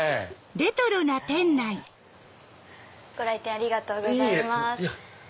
ご来店ありがとうございます。